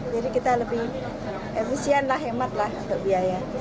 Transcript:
jadi kita lebih efisien lah hemat lah untuk biaya